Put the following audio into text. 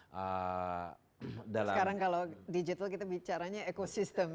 sekarang kalau digital kita bicaranya ecosystem ya